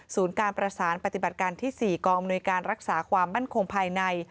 การประสานปฏิบัติการที่๔กองอำนวยการรักษาความมั่นคงภายใน